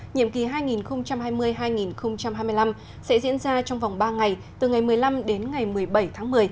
nhiệm kỳ hai nghìn hai mươi hai nghìn hai mươi năm sẽ diễn ra trong vòng ba ngày từ ngày một mươi năm đến ngày một mươi bảy tháng một mươi